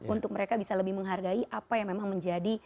untuk mereka bisa lebih menghargai apa yang memang menjadi